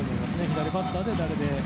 左バッターで誰か。